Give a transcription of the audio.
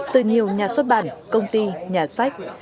từ nhiều nhà xuất bản công ty nhà sách